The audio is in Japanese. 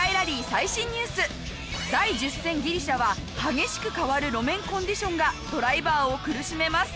第１０戦ギリシャは激しく変わる路面コンディションがドライバーを苦しめます。